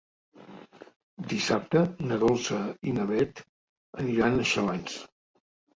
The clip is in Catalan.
Dissabte na Dolça i na Beth aniran a Xalans.